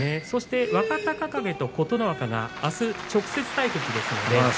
そして若隆景と琴ノ若があす、直接対決です。